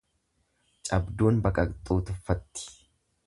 Cabduun baqaqxuu tuffatti.